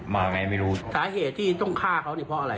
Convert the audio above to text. มาไงไม่รู้สาเหตุที่ต้องฆ่าเขานี่เพราะอะไร